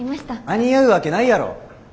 間に合うわけないやろ。